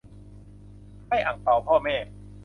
ให้อั่งเปาพ่อแม่